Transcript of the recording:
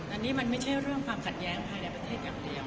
อันนี้มันไม่ใช่เรื่องความขัดแย้งภายในประเทศอย่างเดียว